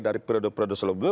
dari periode periode sebelumnya